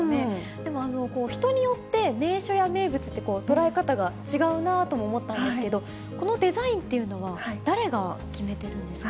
でも、人によって名所や名物って捉え方が違うなとも思ったんですけど、このデザインというのは誰が決めてるんですか。